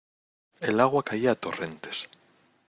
El agua caía a torrentes.